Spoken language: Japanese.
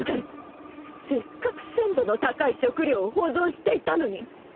せっかく鮮度の高い食糧を保存していたのに